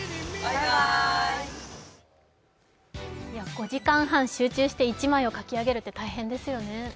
５時間半、集中して一枚を描き上げるって大変ですよね。